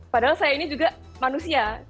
padahal saya ini juga manusia